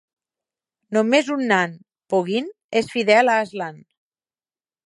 Només un nan, Poggin, és fidel a Aslan.